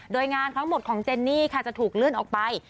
โดยงานทั้งหมดของเจนนี่ค่ะจะถูกเลื่อนออกไป